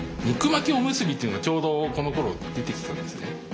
肉巻きおむすびというのがちょうどこのころ出てきたんですね。